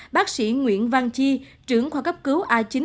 bác sĩ nguyễn văn chi trưởng khoa cấp cứu achi